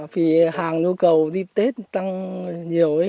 vì hàng nhu cầu dịp tết tăng nhiều ấy